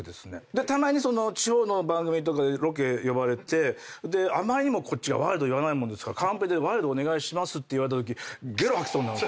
でたまに地方の番組とかでロケ呼ばれてあまりにもこっちがワイルド言わないもんですからカンペで「ワイルドお願いします」って言われたとき。